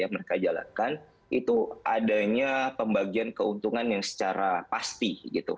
mereka jalankan itu adanya pembagian keuntungan yang secara pasti